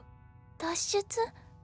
脱出？